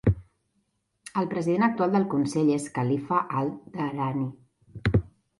El president actual del consell és Khalifa Al Dhahrani.